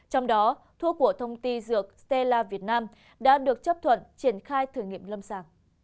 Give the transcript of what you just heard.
trong đó thuốc của công ty dược steella việt nam đã được chấp thuận triển khai thử nghiệm lâm sàng